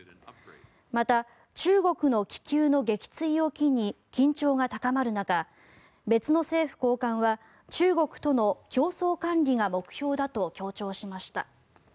また、中国の気球の撃墜を機に緊張が高まる中別の政府高官は中国との競争管理が目標だと強調しました。